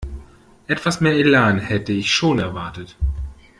Etwas mehr Elan hätte ich schon erwartet.